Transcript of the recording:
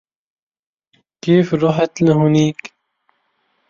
كيف رحت لهونيك ؟